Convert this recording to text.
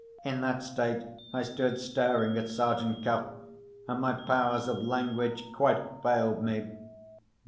In that state, I stood staring at Sergeant Cuff—and my powers of language quite failed me.